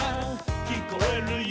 「きこえるよ」